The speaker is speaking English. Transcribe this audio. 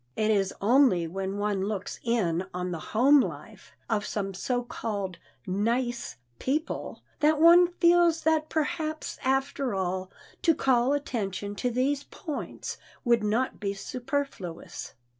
It is only when one looks in on the home life of some so called "nice" people that one feels that perhaps after all to call attention to these points would not be superfluous.